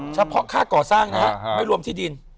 เฉพาะค่าก่อสร้างนะฮะไม่รวมที่ดิน